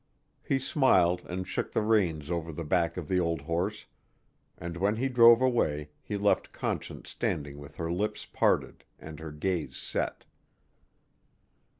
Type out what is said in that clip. He smiled and shook the reins over the back of the old horse and when he drove away he left Conscience standing with her lips parted and her gaze set.